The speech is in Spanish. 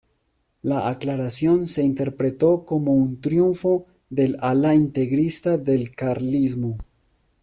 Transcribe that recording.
La aclaración se interpretó como un triunfo del ala integrista del carlismo.